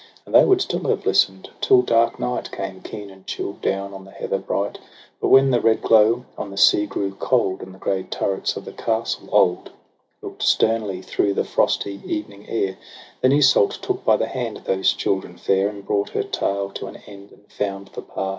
And they would still have listen'd, till dark night Came keen and chill down on the heather bright; But, when the red glow on the sea grew cold, And the grey turrets of the castle old Look'd sternly through the frosty evening air, Then Iseult took by the hand those children fair, And brought her tale to an end, and found the path.